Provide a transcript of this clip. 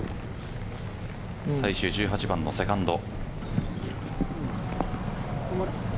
最終１８番のセカンド。